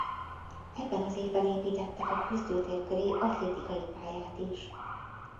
Ebben az évben építettek a küzdőtér köré atlétikai pályát is.